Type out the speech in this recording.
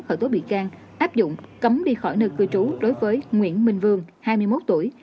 khởi tố bị can áp dụng cấm đi khỏi nơi cư trú đối với nguyễn minh vương hai mươi một tuổi